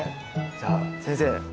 じゃあ先生。